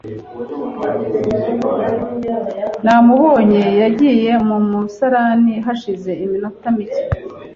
Namubonye yagiye mu musarani hashize iminota mike .